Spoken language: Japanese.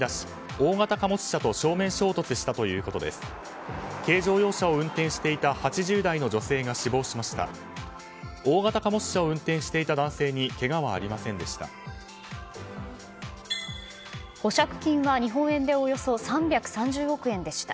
大型貨物車を運転していた男性にけがはありませんでした。